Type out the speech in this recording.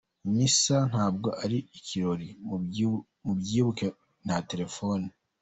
Misa ntabwo ari ikirori, mubyibuke, nta telefoni.